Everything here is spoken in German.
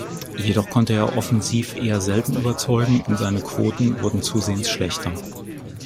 Jedoch konnte er offensiv eher selten überzeugen und seine Quoten wurden zusehends schlechter.